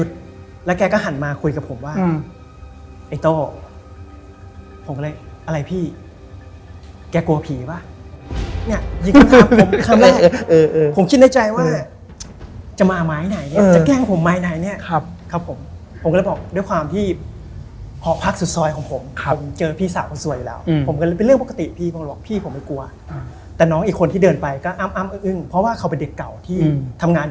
โดยจะมีเครื่องเส้น